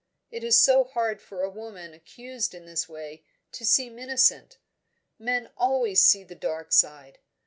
It is so hard for a woman accused in this way to seem innocent; men always see the dark side.